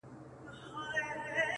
په يوازي ځان قلا ته ور روان سو-